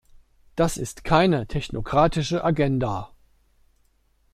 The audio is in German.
Das ist keine technokratische Agenda.